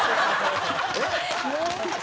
えっ？